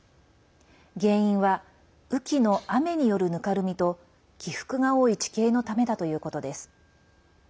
原因は雨期の雨によるぬかるみと起伏が多い地形のためだということです。